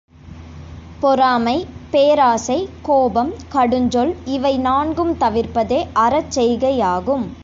பொறாமை, பேராசை, கோபம், கடுஞ்சொல் இவை நான்கும் தவிர்ப்பதே அறச்செய்கையாகும்.